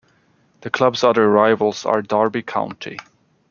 The club's other rivals are Derby County.